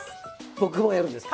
僕もやるんですか？